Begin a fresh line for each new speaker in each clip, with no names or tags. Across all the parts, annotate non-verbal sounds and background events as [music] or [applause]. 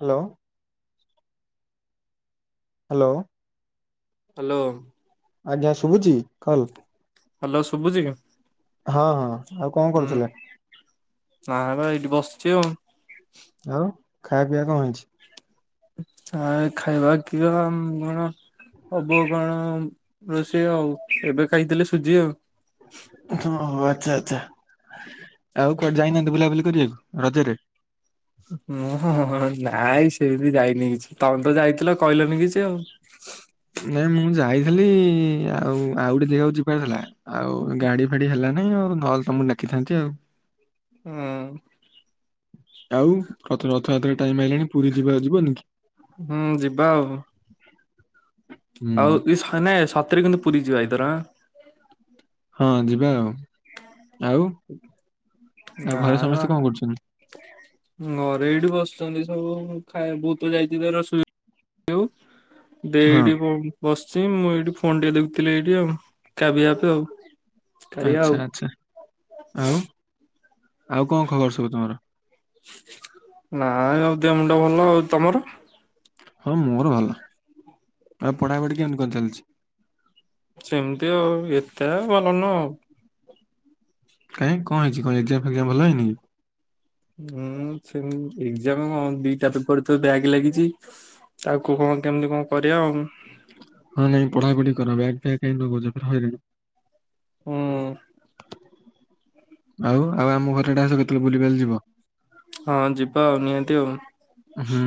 Hello. Hello.
Hello.
ଆଜ୍ଞା ଶୁଭୁଛି କଲ?
ହ୍ୟାଲୋ ଶୁଭୁଛି କି?
ହଁ ହଁ ହଁ, ଆଉ କଣ କରୁଥିଲେ?
ନା ବେ ଏଇଠି ବସିଛି ଆଉ।
ଆଉ ଖାଇବା ପିଇବା କଣ ହେଇଛି?
ଆ ଖାଇବା ପିଇବା ଆମର ହବ କଣ ରୋଷେଇ ଆଉ, ଏବେ ଖାଇଥିଲି ସୁଜି ଆଉ।
ହଁ ହଁ ଆଚ୍ଛା ଆଚ୍ଛା। ଆଉ କୁଆଡେ ଯାଇନାହାନ୍ତି ବୁଲାବୁଲି କରିବାକୁ ରଜରେ?
ହୁଁ ହଁ-ହ-ହ ନାଇଁ ସେମିତି ଯାଇନି କିଛି ତମେ ତ ଯାଇଥିଲ କହିଲନି କିଛି ଆଉ।
ନାଇଁ ମୁଁ ଯାଇଥିଲି-ଇ-ଇ-ଇ ଆଉ ଆଉ ଗୋଟେ ଜେଗାକୁ ଯିବାର ଥିଲା। ଆଉ ଗାଡି ଫାଡି ହେଲା ନାଇଁ ଆଉ ନହେଲେ ତମକୁ ଡାକିଥାନ୍ତି ଆଉ।
ହୁଁ।
ଆଉ ରଥ ରଥଯାତ୍ରା ଟାଇମ୍ ହେଲାଣି ପୁରୀ ଯିବା ଯିବନି କି?
ହୁଁ ଯିବା ଆଉ।
[unintelligible]
ଆଉ ଇସ୍ ହାନେ ସତରେ କିନ୍ତୁ ପୁରୀ ଯିବା ଏଇଥର ଆ।
ହଁ ଯିବା ଆଉ। ଆଉ ଆଉ ଘରେ ସମସ୍ତେ କଣ କରୁଛନ୍ତି?
ମୋର ଏଇଠି ବସିଛନ୍ତି ସବୁ-ଉ-ଉ ଖାଇ ବୋଉ ତ ଯାଇଛି ତାର ସୁ ଦେଇ
ହଁ
ଏଇଠି ଉ ବସିଚି ମୁଁ ଏଇଠି ଫୋନ ଟେ ଦେଖୁଥିଲି ଏଇଠି ଆଉ କାବିଆ ଆପ୍ ଆଉ। କରିବା ଆଉ
ଆଚ୍ଛା ଆଚ୍ଛା, ଆଉ ଆଉ କଣ ଖବର ସବୁ ତୁମର?
ନାଇଁ ଆଉ ଦେହ ମୁଣ୍ଡ ଭଲ ଆଉ ତମର?
ହଁ ମୋର ଭଲ, ଆଉ ପଢାପଢ଼ି କେମିତି କଣ ଚାଲିଛି?
ସେମିତି ଆଉ ଏତେ ଭଲନୁହଁ।
କାଇଁ କଣ ହେଇଛି କଣ ଏକ୍ଜାମ ଫେଜାମ୍ ଭଲ ହେଇନି କି?
ହୁଁ ସେ ଏକ୍ଜାମ କଣ ଦିଟା ପେପର ତ ବ୍ୟାକ୍ ଲାଗିଛି। ତାକୁ କଣ କେମିତି କଣ କରିବା ଆଉ?
ହଁ ନାଇଁ ପଢା ପଢି କର ବ୍ୟାକ୍ ଫ୍ୟାକ୍ କାଁଇ ନଗଉଛ ଫୁଣି ହଇରାଣ
ହୁଁ
ଆଉ ଆଉ ଆମ ଘର ଆଡେ ଆସ କେତେବେଳେ ବୁଲିବାଲି ଯିବ।
ହଁ ଯିବା ଆଉ ନିହାତି ଆଉ।
ହୁଁ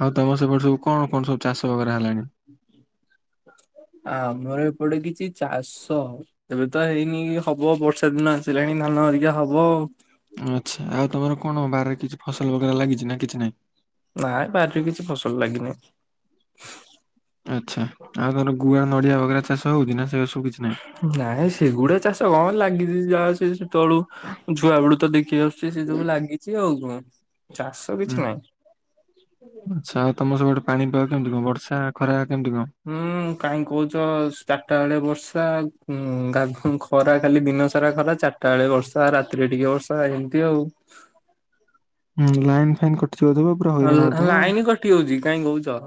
ହଉ ତମ ସେପଟେ ସବୁ କଣ କଣ ସବୁ ଚାଷ କରା ଗଲାଣି?
ଆମର ଏପଟେ କିଛି ଚାଷ ଏବେ ତ ହେଇନି ହବ ବର୍ଷା ଦିନ ଆସିଲାଣି ଧାନ ହେରିକା ହବ ଆଉ।
ଆଚ୍ଛା ଆଉ ତମର କଣ ବାହାରେ କିଛି ଫସଲ ବଗରା ଲାଗିଛି ନା କିଛି ନାହିଁ?
ନାଇଁ ବାରିରେ କିଛି ଫସଲ ଲାଗିନି।
ଆଚ୍ଛା ଆଉ ତମର ଗୁଆ, ନଡିଆ ବଗେରା ଚାଷ ହଉଛି ନା ସେରା ସବୁ କିଛି ନାହିଁ?
ନାଇଁ ସେଗୁଡା ଚାଷ କଣ ଲାଗିଛି ଯାହା ସେ ସେତେବେଳୁ ଛୁଆବେଳୁ ତ ଦେଖି ଆସ୍ ସେ ସେ ସବୁ ଲାଗିଛି ଆଉ କଣ ଚାଷ
ହୁଁ
କିଛି ନାହିଁ।
ଆଚ୍ଛା ତମ ସବୁ ଆଡେ ସବୁ ପାଣି ପାଗ କେମତି କଣ ବର୍ଷା ଖରା କେମିତି କଣ?
ହୁଁ କାହିଁ କହୁଚ ଚାରିଟା ବେଳେ ବର୍ଷା। [unintelligible] ଖରା କାଲି ଦିନ ସାରା ଖରା ଚାରଟା ବେଳେ ବର୍ଷା ରାତିରେ ଟିକେ ବର୍ଷା ଏମତି ଆଉ।
ହୁଁ ଲାଇନ୍ ଫାଇନ୍ କଟିିଯାଉଥିବ।
ହଁ ଲାଇନି କଟି ଯାଉଚି କାଇଁ କହୁଚ।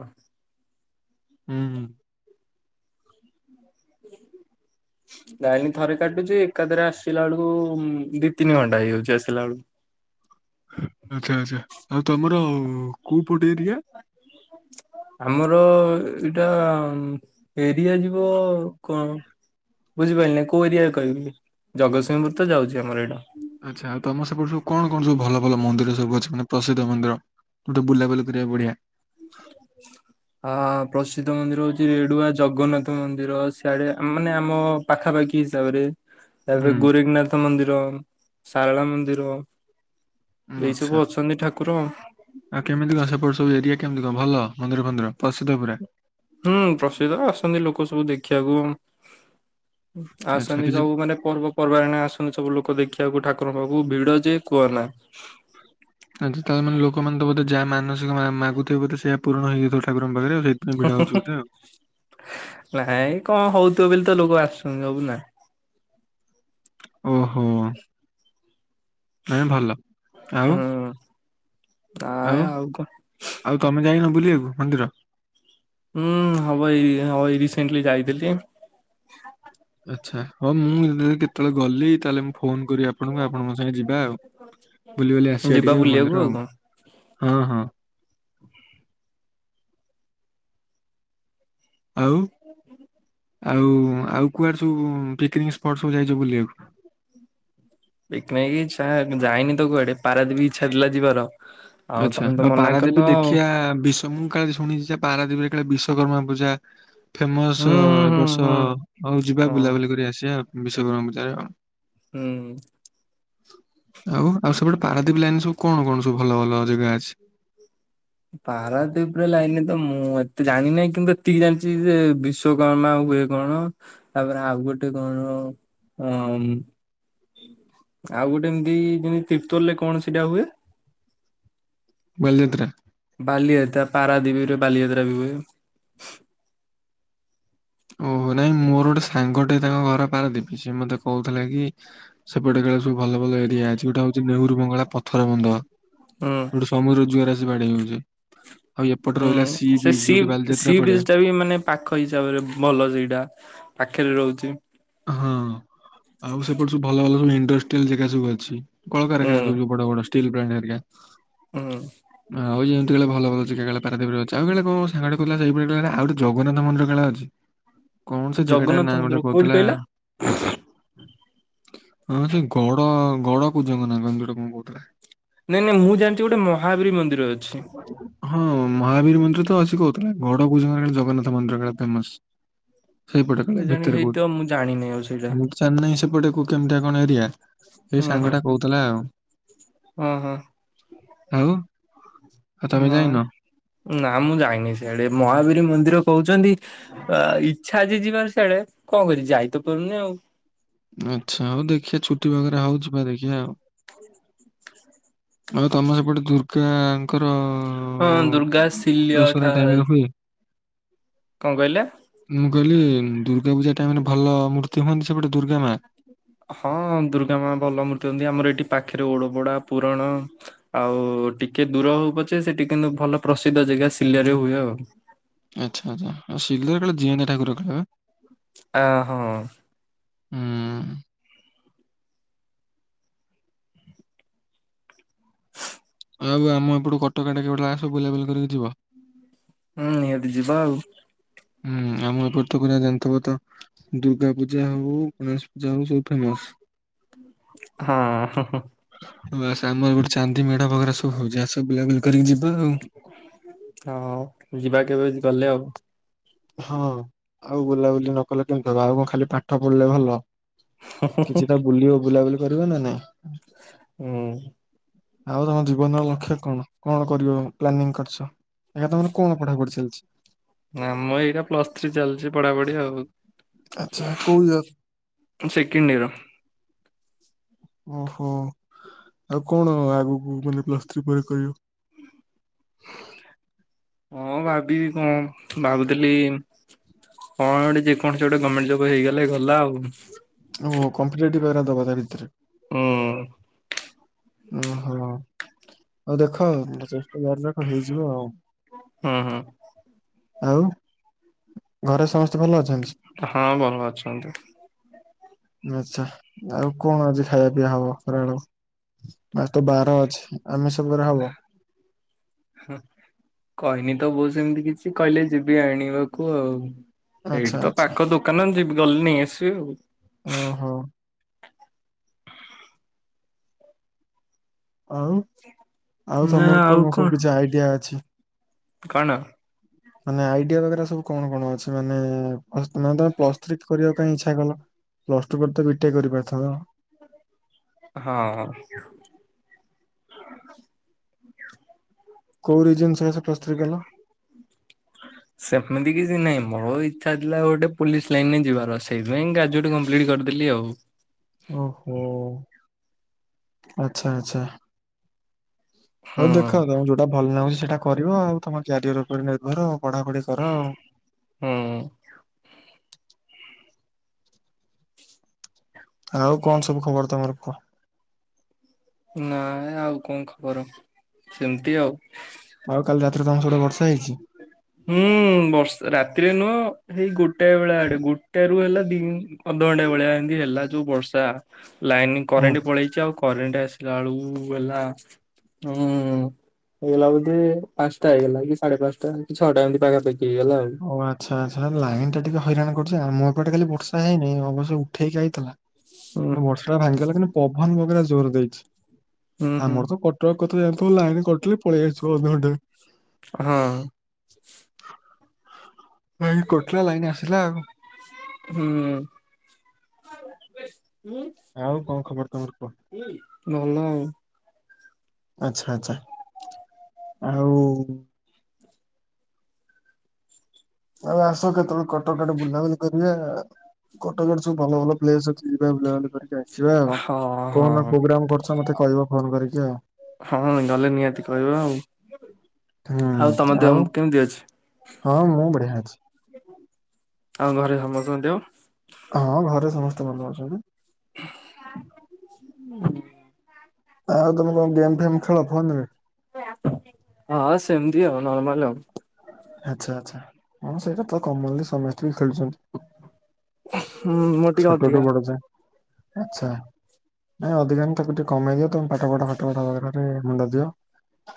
ହୁଁ ହୁଁ।
ହୁଁ। ଲାଇନି ଥରେ କାଟୁଚି ଏକାଥରେ ଆସିଲା ବେଳକୁ ଦି ତିନି ଘଣ୍ଟା ହେଇଯାଉଚି ଆସିଲା ବେଳକୁ।
ଆଚ୍ଛା ଆଚ୍ଛା। ଆଉ ତମର କୋଉ ପଟ ଏରିଆ?
[unintelligible] ଆମର ର ଏଇଟା ଏରିଆ ଯିବ କଣ ବୁଝିପାରିଲିନି କୋଉ ଏରିଆରେ କହିବି। ଜଗତସିଂହପୁର ତ ଯାଉଚି ଆମର ଏଟା।
ଆଚ୍ଛା। ଆ ତମ ସେପଟେ ସବୁ କଣ କଣ ସବୁ ଭଲ ଭଲ ମନ୍ଦିର ସବୁ ଅଛି ମାନେ ପ୍ରସିଦ୍ଧ ମନ୍ଦିର? ଗୋଟେ ବୁଲାବୁଲି କରିବାକୁ ବଢିଆ।
ହ [unintelligible] ଅ ପ୍ରସିଦ୍ଧ ମନ୍ଦିର ହଉଚି ରେଡୁଆ ଜଗନ୍ନାଥ ମନ୍ଦିର। ସିଆଡେ ମାନେ ଆମ ପାଖାପାଖି ହିସାବରେ
ହୁଁ
ତାପରେ ଗୋରେଖ୍ ନାଥ ମନ୍ଦିର, ସାରଳା ମନ୍ଦିର।
ଉଁ,
ଏଇ ସବୁ
ଆଚ୍ଛା
ଅଛନ୍ତି ଠାକୁର।
ଆଉ କେମିତି କଣ ସେପଟ ସବୁ ଏରିଆ କେମିତି କଣ ଭଲ ମନ୍ଦିର ଫନ୍ଦିର ପ୍ରସିଦ୍ଧ ପୁରା?
ହୁଁ। ପ୍ରସିଦ୍ଧ ଆସନ୍ତି ଲୋକ ସବୁ ଦେଖିବାକୁ।
ଆଚ୍ଛା
ଆସନ୍ତି
କିଛି
ସବୁ ମାନେ ପର୍ବ ପର୍ବାଣୀ ରେ ଆସନ୍ତି ସବୁ ଲୋକ ଦେଖିବାକୁ ଠାକୁରଙ୍କ ପାଖକୁ। ଭିଡ ଯେ କୁହ ନା।
ଆଚ୍ଛା, ତାମାନେ ଲୋକ ମାନେ ତ ବୋଧେ ଯାହା ମାନସିକ ମା ମା ମାଗୁଥିବେ ବୋଧେ ସେୟା ପୂରଣ ହେଇଯାଉଥିବ ଠାକୁରଙ୍କ ପାଖରେ ଆଉ ସେଇ
ହୁଁ ହୁଁ ହୁଁ। ନାଇଁ କଣ ହଉଥିବ ବୋଲି ତ ଲୋକ ଆସୁଛନ୍ତି ସବୁ ନା।
ଓହୋ। ନାଇଁ ଭଲ। ଆଉ
ଆଏ ଆଉ କଣ?
ଆଉ ତମେ ଯାଇନ ବୁଲିବାକୁ ମନ୍ଦିର?
ହୁଁ। ହବ ଏଇ ହବ ଏଇ ରିସେଣ୍ଟଲି ଯାଇଥିଲି।
ଆଚ୍ଛା। ହଁ ମୁଁ ଯଦି କେତେବେଳେ ଗଲି ତାହେଲେ ମୁଁ ଫୋନ କରିବି ଆ ଆପଣଙ୍କୁ ଆପଣଙ୍କ ସାଙ୍ଗେ ଯିବା ଆଉ। ବୁଲିବାଲି ଆସିବା
ଯିବା
ଟିକେ
ବୁଲିବାକୁ
ମନ୍ଦିର ଆଉ।
କଣ
ହଁ ହଁ। ଆଉ ଆଉ ଆଉ କୁଆଡ଼େ ସବୁ ପିକନିକ୍ ସ୍ପଟ୍ ସବୁ ଯାଇଚ ବୁଲିବାକୁ?
[inaudible] ପିକନିକ୍ ଇଚ୍ଛା ଯାଇନି ତ କୁଆଡେ। ପାରାଦ୍ଵୀପ ଇଚ୍ଛା ଥିଲା ଯିବାର।
ଆଚ୍ଛା।
ତମେ ତ
ଆଉ
ମନା କଲ
ପାରାଦ୍ୱୀପ
ଆଉ
ଦେଖିଆ ବିଶ୍ ମୁଁ କାଳେ ଶୁଣିଚି ଯା ପାରାଦ୍ୱୀପରେ କାଳେ ବିଶ୍ୱକର୍ମା ପୂଜା ଫେମସ
ହୁଁ
ଏ
ହୁଁ
ବର୍ଷ
ହୁଁ
ତ ହଉ
ହୁଁ
ଯିବା
ହଁ
ବୁଲାବୁଲି କରି ଆସିବା ବିଶ୍ୱକର୍ମା ପୂଜାରେ ଆଉ।
ହୁଁ।
ଆଉ ଆଉ ସେପଟେ ପାରାଦ୍ୱୀପ ଲାଇନ୍ ରେ ସବୁ କଣ କଣ ସବୁ ଭଲ ଭଲ ଜେଗା ଅଛି?
ପାରାଦ୍ଵୀପ ରେ ଲାଇନି ରେ ତ ମୁଁ ଏତେ ଜାଣିନାଇ କିନ୍ତୁ ଏତିକି ଜାଣିଚି ଯେ ବିଶ୍ ବିଶ୍ୱକର୍ମା ହୁଏ କଣ। ତାପରେ ଆଉ ଗୋଟେ କଣ ଉଁ ଆଉ ଗୋଟେ ଏମତି ଯେମିତି ତିପ୍ତଲ ରେ କଣ ସେଇଟା ହୁଏ?
ବାଲିଯାତ୍ରା।
ବାଲିଯାତ୍ରା ପାରାଦ୍ଵୀପ ରେ ବାଲିଯାତ୍ରା ବି ହୁଏ।
ଓହୋ। ନାଇଁ ମୋର ଗୋଟେ ସାଙ୍ଗ ଟେ ତାଙ୍କ ଘର ପାରାଦ୍ଵୀପ। ସିଏ ମତେ କହୁଥିଲେ କି ସେପଟେ କାଳେ ସବୁ ଭଲ ଭଲ ଏରିଆ ଅଛି। ଗୋଟେ ହଉଚି ନେହୁରୁ ବଙ୍ଗଳା ପଥର ବନ୍ଧ।
ହୁଁ।
ଓଟେ ସମୁଦ୍ର ଜୁଆର ଆସି ବାଡ଼େଇ ହଉଚି। ଆଉ ଏପଟେ ରହିଲା ସି ବିଚ୍ ଯୋଉଠି ବାଲିଯାତ୍ରା ପଡ଼େ।
ତା ବି ଏ ମାନେ ପାଖ ହିସାବରେ ଭଲ ସେଇଟା ପାଖେରେ ରହୁଚି।
ହଁ ଆଉ ସେପଟେ ସବୁ ଭଲ ଭଲ ସବୁ ଇଣ୍ଡଷ୍ଟ୍ରିଆଲ୍ ଜେଗା ସବୁ ଅଛି।
ଉଁ
କଳକାରଖାନା ସବୁ ଯୋଉ ବଡ଼ ବଡ଼ ଷ୍ଟିଲ୍ ପ୍ଲାଣ୍ଟ୍ ହରିକା।
ଅଁହଁ।
ଆଉ ଏମତି କାଳେ ଭଲ ଭଲ ଜେଗା କାଳେ ପାରାଦୀପରେ ଅଛି। ଆଉ ହେଳେ କଁ ସାଙ୍ଗଟେ କଉଥୁଲା ସେଇ ପଟ ଆଡ଼େ ଆଉ ଟେ ଜଗନ୍ନାଥନ୍ଦିର କାଳେ ଅଛି। କଣ ସେ ଜାଗାଟା ନାଁ
ଜଗନ୍ନାଥ
ଗୋଟେ
ମନ୍ଦିର କୋଉଠି
କହୁଥିଲା
କହିଲ?
ହଁ ସେ ଗଡ଼ ଗଡ଼ କୂଜଙ୍କ ନାଁ କଁ ଏମିତି କଁ କୋଉଥୁଲା।
ନାଇଁ ନାଇଁ ମୁଁ ଜାଣିଚି ଗୋଟେ ମହାବୀର ମନ୍ଦିର ଅଛି।
ହୁଁ ମହାବୀର ମନ୍ଦିର ତ ଅଛି କହୁଥୁଲେ ବଡ଼ କୁଜଙ୍ଗରେ ଜଗନ୍ନାଥ ମନ୍ଦିର କାଳେ ଫେମସ୍। ସେଇପଟେ ଗଲେ
କେଜାଣି
ଭିତରକୁ।
ହେଇଥିବ ମୁଁ ଜାଣିନ ଆଉ ସେଇଠୁ।
ମୁଁ ତ ଜାଣି ନେଇ ସେପଟକୁ କେମିତିଆ କଣ ଏରିଆ ହେଇ ସାଙ୍ଗଟା କହୁଥିଲା ଆଉ‌।
ଓ ହଁ
ଆଉ? ଆଉ ତମେ ଯାଇନ
ନାଇଁ ନାଁ ମୁଁ ଯାଇନି ସିଆଡ଼େ ମହାବୀର ମନ୍ଦିର କହୁଚନ୍ତି ଆ ଇଚ୍ଛା ଅଛି ଯିବାର ସିଆଡ଼େ କଁ କରି ଯାଇ ତ ପାରୁନି ଆଉ।
ଆଚ୍ଛା ହଉ ଦେଖିଆ ଛୁଟି ବଗେରା ହଉ ଯିବା ଦେଖିଆ ଆଉ।
ହଉ।
ଆଉ ତମ ସେପଟେ ଦୁର୍ଗାଙ୍କର
ହଁ ଦୁର୍ଗା
ଦଶହରା
ଶିଲ୍ୟଠା
ଟାଇମ୍ ରେ ହୁଏ?
କଁ କହିଲେ?
ମୁଁ କହିଲି ଦୁର୍ଗା ପୂଜା ଟାଇମ୍ ରେ ଭଲ ମୂର୍ତ୍ତି ହୁଅନ୍ତି ସେପଟେ ଦୁର୍ଗା ମା?
ହଁ ଦୁର୍ଗା ମା ଭଲ ମୂର୍ତ୍ତି ହୁଅନ୍ତି ଆମର ଏଇଠି ପାଖେରେ ଓଡ଼ପୋଡ଼ା ପୁରଣ ଆଉ ଟିକେ ଦୂର ହଉ ପଛେ ସେଠି କିନ୍ତୁ ଭଲ ପ୍ରସିଦ୍ଧ ଜେଗା ଶିଲରେ ହୁଏ ଆଉ।
ଆଚ୍ଛା ଆଚ୍ଛା ଆ ଶିଲର ଜିଅନ୍ତା ଠାକୁର କାଳେ ବା?
ଆ ହଁ।
ହୁଁ। ଆଉ ଆମ ଏପଟୁ କଟକ ଆଡ଼େ କେବେଠୁ ଆସ ବୁଲାବୁଲି କରିକି ଯିବ।
ହୁଁ ନିହାତି ଯିବା ଆଉ।
ଉଁ ଆମ ଏପଟେ ତ ପୁରା ଜାଣିଥିବ ତ ଦୁର୍ଗା ପୂଜା ହଉ ଗଣେଶ ପୂଜା ହଉ ସବୁ ଫେମସ୍।
ହଁ।
ବାସ୍ ଆମର ଗୋଟେ ଚାନ୍ଦି ମେଢ଼ ବଗେରା ସବୁ ହଉଚି ଆସ ବୁଲାବୁଲି କରିକି ଯିବା ଆଉ।
ହଁ ଯିବା କେବେ ଗଲେ ଆଉ।
ହଁ ଆଉ ବୁଲାବୁଲି ନ କଲେ କେମିତି ହବ ଆଉ କଁ ଖାଲି ପାଠ ପଢ଼ିଲେ ଭଲ? କିଛି ତ ବୁଲିବ ବୁଲାବୁଲି କରିବ ନା ନାଇଁ?
ହୁଁ।
ଆଉ ତମ ଜୀବନର ଲକ୍ଷ୍ୟ କଣ କଣ କରିବ ପ୍ଲାନିଂ କରିଚ? ଆଜ୍ଞା ତମର କଣ ପଢ଼ାପଢ଼ି ଚାଲଚି?
ନାଁ ମ ଏଇଟା ପ୍ଲସ୍ ଥ୍ରୀ ଚାଲିଚି ପଢ଼ାପଢ଼ି ଆଉ।
ଆଚ୍ଛା କୋଉ ଇୟର?
ସେକେଣ୍ଡ୍ ଇୟର୍
ଓହୋ ଆଉ କଣ ଆଗୁକୁ ମାନେ ପ୍ଲସ୍ ଥ୍ରୀ ପରେ କରିବ?
ଅଁ ଭାବିବି କଣ ଭାବୁଥୁଲି କଣ ଗୋଟେ ଯେକୌଣସି ଗୋଟେ ଗମେଣ୍ଟ୍ ଜବ୍ ହେଇଗଲେ ଗଲା ଆଉ।
ଓହୋ କମ୍ପିଟେଟିବ୍ ଏରା ଦବ ତା ଭିତରେ।
କଣ?
ଓହୋ ଆଉ ଦେଖ ଚେଷ୍ଟା କର ରଖ ହେଇଯିବ ଆଉ
ହୁଁ ହୁଁ।
ଆଉ ଘରେ ସମସ୍ତେ ଭଲ ଅଛି
ହଁ ଭଲ ଅଛନ୍ତି।
ଆଛା ଆଉ କଣ ଅଛି ଖାଇବା ପିଇବା ହବ ଖରାବେଳକୁ? ଆଜି ତ ବାର ଅଛି ଆମିଷ ବାର ହବ।
ହଁ କହିନି ତ କଉଚନ୍ତି ସେମିତି କିଛି କହିଲେ ଯିବି ଆଣିବାକୁ ଆଉ?
ଆଚ୍ଛା
ଏଇଠି ତ
ଆଚ୍ଛା
ପାଖ ଦୋକାନ ଯିବି ଗଲେ ନେଇ ଆସିବି ଆଉ
ଓହୋ। ଆଉ ଆଉ
ନା
ତମର
ଆଉ
କଣ ସବୁ କିଛି ଆଇଡିଆ ଅଛି?
କଣ
ମାନେ ଆଇଡିଆ ବଗେରା ସବୁ କଣ କଣ ଅଛି ମାନେ ମାନେ ତମେ ପ୍ଲସ୍ ଥ୍ରୀ କରିବାକୁ? ଇଚ୍ଛା କଲ ପ୍ଲସ୍ ଟୁ ପରେ ତ ବିଟେକ୍ କରିପାରିଥାନ୍ତ।
ହଁ।
କୋଉ ରିଜନ ସକାସେ ପ୍ଲସ୍ ଥ୍ରୀ କଲ?
ହ ସେମିତି କିଛି ନାହିଁ ମୋର ଇଚ୍ଛାଥିଲା ଗୋଟେ ପୋଲିସ ଲାଇନରେ ଯିବାର ସେଇଥିପାଇଁ ଗ୍ରାଜୁଏଟ କମ୍ପ୍ଲିଟ୍ କରିଦେଲି ଆଉ।
ଓହୋ ଆଚ୍ଛା ଆଛା। ହଉ
ହୁଁ
ଦେଖ ତମ ଯୋଉଟା ଭଲ ଲାଗୁଛି ସେଇଟା କରିବ ଆଉ ତମ କ୍ୟାରିଅର ଉପରେ ନିର୍ଭର ପଢାପଢି। କର ଆଉ।
ହୁଁ।
ଆଉ କଣ ସବୁ ଖବର ତମର କୁହ?
ନାଇଁ ଆଉ କଣ ଖବର ସେମିତି ଆଉ
ଆଉ କାଲି ରାତିରେ ତମର ସିଆଡ଼େ ବର୍ଷା ହେଇଛି।
ହୁଁ ବର୍ଷା ରାତିରେ ନୁହଁ ହେଇ ଗୋଟାଏ ବେଳା ଆଡେ ଗୋଟାରୁ ହେଲା ଦି ଅଧ ଘଣ୍ଟା ଭଳିଆ ଏମତି ହେଲା ଯୋଉ ବର୍ଷା ଲାଇନ୍
ହୁଁ
କରେଣ୍ଟ ପଳେଇଛି ଆଉ କରେଣ୍ଟ ଆସ ଳକୁ ହେଲା ହୁଁ ଏଲା ବଦେ ପାଞ୍ଚଟା ହେଇଗଲା କି ସାଢେ ପାଞ୍ଚଟା କି ଛଅଟା ଏମିତି ପାଖାପଖି ହେଇଗଲା ଆଉ
ଓ ଆଚ୍ଛା ଆଚ୍ଛା ଲାଇନ୍ ଟିକେ ହଇରାଣ କରୁଚି ଆମୋ ଏପଟେ କାଲି ବର୍ଷା ହେଇନି ଅବଶ୍ୟ ଉଠେଇକି ଆଇଥିଲା।
ହୁଁ
ବର୍ଷାଟା ଭାଙ୍ଗିଗଲା କି ପବନ ବଗେରା ଜୋର ଦେଇଛି
ହୁଁ ହୁଁ
ଆମର ତ କ କଟକ କଥା ଯାଣିଥିବ ଲାଇନ କଟିଲେ ପଳେଇଆସିବ ଅଧଘଣ୍ଟେ ଭି
ହଁ।
ଏଇ କଟିଲା ଲାଇନ ଆସିଲା ଆଉ
ହୁଁ।
ଆଉ କଣ ଖବର ତମର କୁହ?
ଭଲ ଆଉ
ଆଚ୍ଛା ଆଛା ଆଉ ଆଉ ଆସ କେତେବେଳେ କଟକ ଆଡ଼େ ବୁଲାବୁଲି କରିବା ଆଉ କଟକରେ ସବୁ ଭଲ ଭଲ ପ୍ଲେସ ଅଛି ଯିବା ବୁୁଲା ବୁଲି କରିକି ଆଇବା। ଯିବା ଆଉ
ହଁ ହଁ
କୋଉଦିନ ପ୍ରୋଗ୍ରାମ କରୁଛ ମତେ କହିବ ଫୋନ କରିକି ଆଉ
ହଁ ନଲେ ନିହାତି କହିବା ଆଉ ଆଉ ତମ ଦେହ କେମିତି ଅଛି?
ହଁ ମୁଁ ବଢିଆ ଅଛି।
ଆଉ ଘରେ ସମସ୍ତଙ୍କ ଦେହ
ହଁ ଘରେ ସମସ୍ତେ ଭଲ ଅଛନ୍ତି।
କ
ଆଉ ତମେ କଣ ଗେମ୍ ଫେମ୍ ଖେଳ ଫୋନ ରେ
ହଁ ସେମତି ଆଉ ନର୍ମାଲ ଆଉ
ଆଚ୍ଛା ଆଚ୍ଛା ହ ସେଇଟା ତ କମନଲି ସମସ୍ତେ ବି ଖେଳୁଛନ୍ତି
ହୁଁ ମୋର ଟିକେ ଅଧିକା।
ଛୋଟଟୁ ବଡ ଯାଏଁ ଆଛା ନାଇଁ ଅଧିକାନ ତାକୁ ଟିକେ କମେଇ ଦିଅ ତମେ ପାଠ ପଢ଼ା ଫାଟରେ ମୁଣ୍ଡ ଦିଅ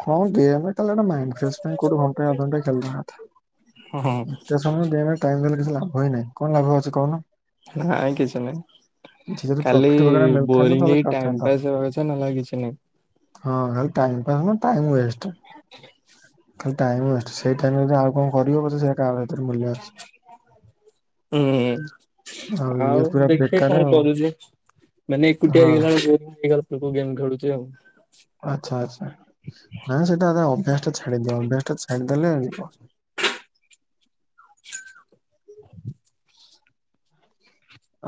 ହଁ ଗେମ୍ ଟା ସେଟା ମାଇଣ୍ଡ ଫ୍ରେସ୍ ପାଇଁ କୋଉଟେ ଘଣ୍ଟା ଅଧା ଘଣ୍ଟା ଖେଳିବା କଥା
ହୁଁ
[unintelligible] ତମ ଗେମ୍ ରେ ଟାଇମ୍ ଦେଲେ କିଛି ଲାଭ ହେଇନାହିଁ କଣ ଲାଭ ଅଛି କହୁନ
ନାଇଁ କିଛି ନାହିଁ
କିଛି ଯଦି
କାଲି
ପ୍ରଫିଟ୍ ବଗେରା ମିଳିଥାନ୍ତା
ବୋରିଂ
ତାହେଲେ
ହେଇ ଟାଇମ
କରିଥାନ୍ତ
ପାସ୍ ହେବା କଥା ନହେଲେ ଆଉ କିଛି ନାହିଁ
ହଁ ଖାଲି ଟାଇମ୍ ପାସ ନୁହେଁ ଟାଇମ୍ ୱଷ୍ଟ ଖାଲି ଟାଇମ ୱଷ୍ଟ ସେଇ ଟାଇମ୍ ରେ ଯଦି ଆଉ କଣ କରିହବ ସେ ତା ଗତିରେ ମୂଲ୍ୟ ଅଛି
ହୁଁ
ଇଏ
ଆଉ
ପୁରା
ଦେଖିବା
ବେକାର
କଣ
ଆଉ
କରୁଛି ମାନେ ଏକୁଟିଆ
ହଁ
ହେଇଗଲା ବେଳ ବରିଂ ଦେଇଯାଉଛି ତ ଗେମ୍ ଖେଳୁଛି ଆଉ
ଆଚ୍ଛା ଆଚ୍ଛା ନାଁ ସେଇଟା ଆମେ ଅଭ୍ୟାସ ଟା ଛାଡ଼ିଦିଅ ଅଭ୍ୟାସ ଟା ଛାଡିଦେଲେ ଯିବ।
ଆଛା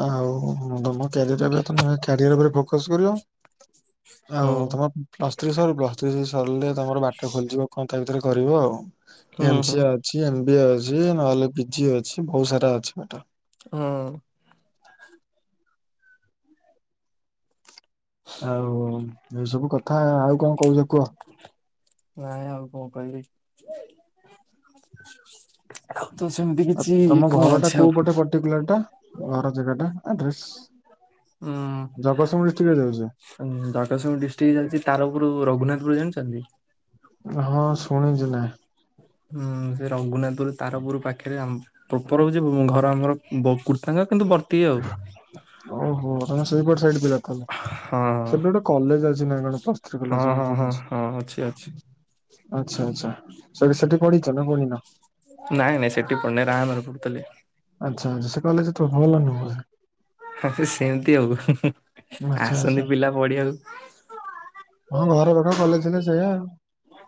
ଆଉ ତମ କ୍ୟାରିୟର ଟାଇମରେ ତମେ କ୍ୟାରିୟର ଉପରେ ଫୋକସ କରିବ। ଆଉ
ହଁ
ତମ ପ୍ଲସ୍ ଥିରି ସରୁ ପ୍ଲସ୍ ଥିରି ସରିଲେ ତମର ବାଟ ଖୋଲିଯିବ କଣ ତା ଭିତରେ କରିବ ଆଉ
ହୁଁ
ଏମ
ହୁଁ
ସି ଏ ଅଛି ଏମ ବି ଏ ଅଛି ନହେଲେ ପିଜି ଅଛି ବହୁତ ସାରା ଅଛି ପାଠ।
ହଁ
[inaudible] ଆଉ ଏଇ ସବୁ କଥା ଆଉ କଣ କହୁଛ କୁହ?
ନାଁଇ ଆଉ କଣ କହିବି? ଆଉ ତ ସେମିତି କିଛି କଣ ଅଛି ଆଉ
ସେ ବିଲ ଟା ଘର ଜାଗା ଟା ଆଡ୍ରେସ?
ହୁଁ।
କିଏ ଦଉଚି?
ଜଗ ସିଂ ଡିଷ୍ଟ୍ରିକ୍ଟ ଯାଛି ତାରପୁର ରଘୁନାଥପୁର ଜାଣିଛନ୍ତି?
ହଁ ଶୁଣିଛି ନାଁ।
ହୁଁ ସେ ରଘୁନାଥପୁରୁ ତାରପୁର ପାଖରେ ଆ ପ୍ରୋପର ହଉଛି ଘର ଆମର ବ କୁଷଙ୍ଗ କିନ୍ତୁ ବର୍
ଓହୋ ତମେ ସେଇ ପଟ ସାଇଡ ପିଲାହଲେ।
ହଁ।
ସେଠି ଗୋଟେ କଲେଜ ଅଛି ନା କଣ ପ୍ଲସ ଥିରି
ହଁ
କଲେଜ ମୁଁ
ହଁ ହଁ
ଶୁଣିଛି।
ହଁ ଅଛି ଅଛି।
ଆଚ୍ଛା ଆଚ୍ଛା ସେଠ ସେଠି ପଢିଛ ନା ପଢିନ?
ନାଇଁ ନାଇଁ ସେଟି ପଡ଼ନେ ରା ଆମର ପଡଥିଲେ
ଆଚ୍ଛା ଆଚ୍ଛା ସେ କହିଲେ ଯେ ତୁ ଭଲ ନୁହଁ ହେ।
ହଁ ସେ ସେମିତି ଆଉ ହି ହି
ଆଚ୍ଛା ଆଚ୍ଛା।
ଆସନ୍ତି ପିଲା ପଢ଼ିଆକୁ।
ହଁ ଘର ପାଖ କଲେଜ ଥିଲେ ସେଇଆ ଆଉ।